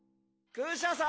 クシャさん。